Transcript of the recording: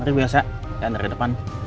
mari mbak elsa dianterin ke depan